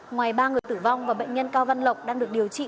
ngoài ba người tử vong và bệnh nhân cao văn lộc đang được điều trị